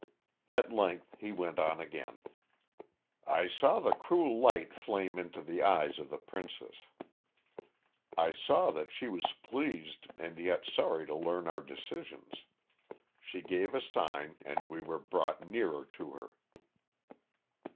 At length he went on again. "I saw the cruel light flame into the eyes of the princess; I saw that she was pleased and yet sorry to learn our decision. She gave a sign and we were brought nearer to her.